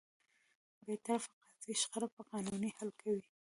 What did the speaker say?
بېطرفه قاضي شخړه په قانون حل کوي.